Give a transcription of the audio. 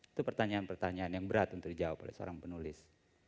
itu pertanyaan pertanyaan yang berat untuk dijawab oleh seorang penulis